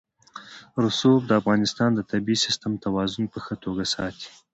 رسوب د افغانستان د طبعي سیسټم توازن په ښه توګه ساتي.